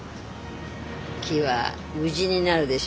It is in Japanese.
木は家になるでしょう。